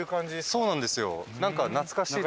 そうなんですよ。